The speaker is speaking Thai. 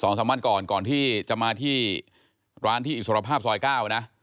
สามวันก่อนก่อนที่จะมาที่ร้านที่อิสรภาพซอยเก้านะ